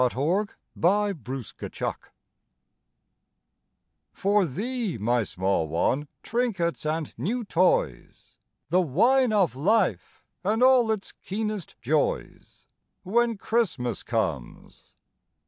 WHEN CHRISTMAS COMES For thee, my small one trinkets and new toys, The wine of life and all its keenest joys, When Christmas comes.